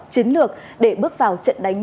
chiến lược để bước vào trận đánh